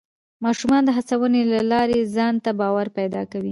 ماشومان د هڅونې له لارې ځان ته باور پیدا کوي